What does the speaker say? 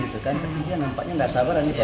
tapi dia nampaknya gak sabar